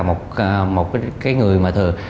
một cái người mà thường